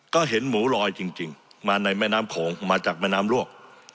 ก็เห็นหมูลอยจริงมาในแม่น้ำโขงมาจากแม่น้ำลวก